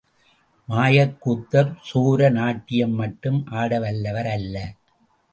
மாயக் கூத்தர் சோர நாட்டியம் மட்டும் ஆடவல்லவர் அல்ல.